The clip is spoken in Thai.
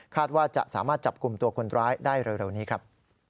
ว่าจะสามารถจับกลุ่มตัวคนร้ายได้เร็วนี้ครับ